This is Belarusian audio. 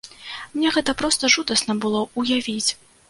Мне гэта проста жудасна было ўявіць.